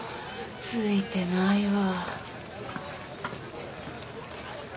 ついてないわ。